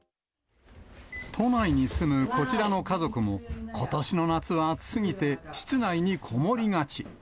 都内に住むこちらの家族も、ことしの夏は暑すぎて、室内に籠もりがち。